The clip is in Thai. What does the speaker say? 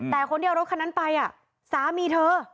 แต่คนที่เอารถคันนั้นไปสามีเธอ